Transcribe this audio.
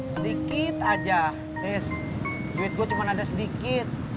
sedikit saja tis duit gue cuma ada sedikit